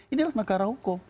inilah negara hukum